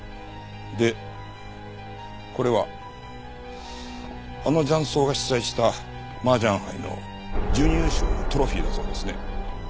でこれはあの雀荘が主催した麻雀杯の準優勝のトロフィーだそうですね。